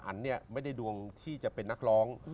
อันเนี่ยไม่ได้ดวงที่จะเป็นนักร้อง